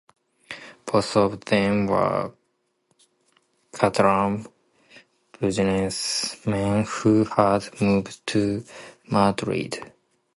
Both of them were Catalan business men who had moved to Madrid.